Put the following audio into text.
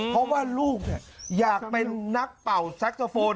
เพราะว่าลูกนี่อยากเป็นนักเป่าแซคโซโฟน